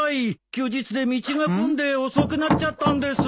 休日で道が混んで遅くなっちゃったんです。